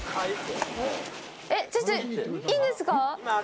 いいんですか？